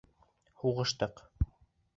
Һуғыштыҡ!